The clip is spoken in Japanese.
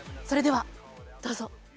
それではどうぞ。